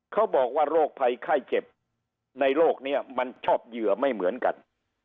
เขาบอกว่าโรคภัยไข้เจ็บในโลกนี้มันชอบเหยื่อไม่เหมือนกัน